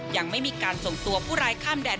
ยังไม่มีการส่งตัวผู้ร้ายข้ามแดน